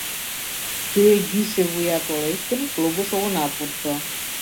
— Кӧ йӱшӧ вуя толеш гын, клубыш огына пурто.